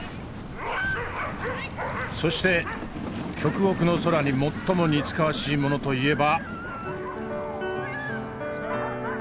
そして極北の空に最も似つかわしいものといえば。